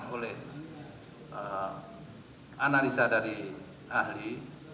oleh analisa dari ahli